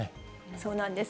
そうなんです。